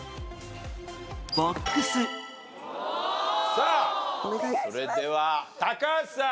さあそれでは高橋さん。